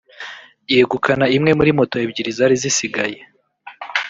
yegukana imwe muri moto ebyiri zari zisigaye